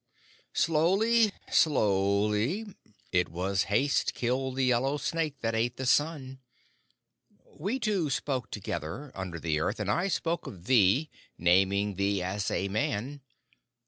"Slowly slowly. It was haste killed the Yellow Snake that ate the sun. We two spoke together under the earth, and I spoke of thee, naming thee as a man.